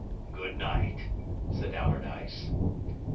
"Good night," said Allardyce.